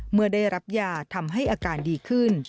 เมื่อได้รับยาทำให้อาการดีขึ้น